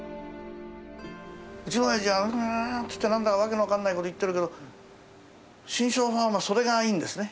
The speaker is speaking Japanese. うちの親父は「うん」つって何だか訳の分かんないこと言ってるけど志ん生ファンはそれがいいんですね。